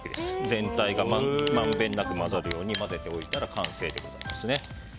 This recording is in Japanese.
全体をまんべんなく混ぜておいたら完成でございます。